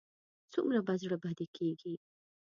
څومره به زړه بدی کېږي.